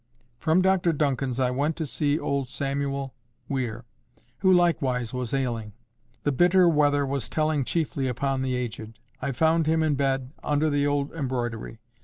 From Dr Duncan's I went to see old Samuel Weir, who likewise was ailing. The bitter weather was telling chiefly upon the aged. I found him in bed, under the old embroidery.